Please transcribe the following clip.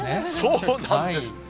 そうなんです。